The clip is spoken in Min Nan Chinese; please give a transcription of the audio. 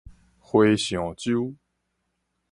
和尚洲